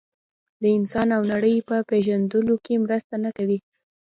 د انسان او نړۍ په پېژندلو کې مرسته نه کوي.